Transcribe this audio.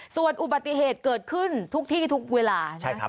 ส่วนอุบัติเหตุเกิดขึ้นทุกที่ทุกเวลานะครับ